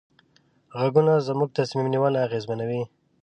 غږونه زموږ تصمیم نیونه اغېزمنوي.